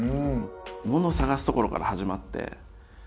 ものを探すところから始まって。